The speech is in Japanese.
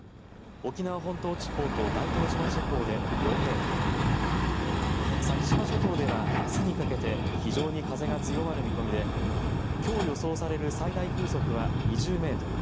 沖縄本島地方と大東島地方で４メートル先島諸島ではあすにかけて非常に風が強まる見込みできょう予想される最大風速は２０メートル